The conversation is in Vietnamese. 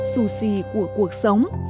xù xì của cuộc sống